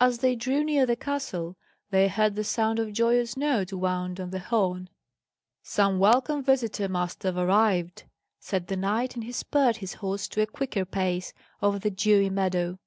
As they drew near the castle, they heard the sound of joyous notes wound on the horn. "Some welcome visitor must have arrived," said the knight; and he spurred his horse to a quicker pace over the dewy meadow.